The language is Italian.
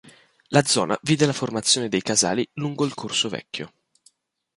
La zona vide la formazione dei casali lungo il "corso vecchio".